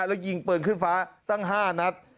แล้วยิงปืนขึ้นฟ้าตั้ง๕นัด